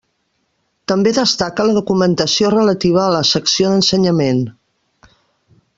També destaca la documentació relativa a la secció d'ensenyament.